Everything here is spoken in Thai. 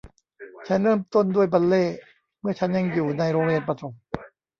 ฉันเริ่มต้นด้วยบัลเล่ต์เมื่อฉันยังอยู่ในโรงเรียนประถม